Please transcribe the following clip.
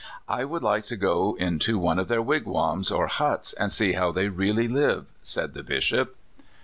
" I would like to go into one of their wigwams, or huts, and see how they really live," said the Bishop.